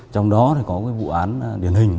trong đó có vụ án điển hình